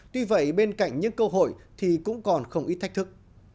tuy vậy bên cạnh những cơ hội thì cũng còn không ít thách thức